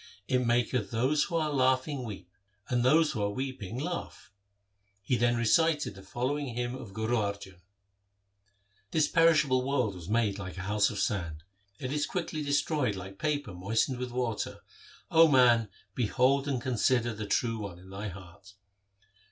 It maketh those who are laughing weep, and those who are weeping laugh.' He then recited the following hymn of Guru Arjan :— This perishable world was made like a house of sand ; It is quickly destroyed like paper moistened with water, 0 man, 1 behold and consider the True One in thy heart.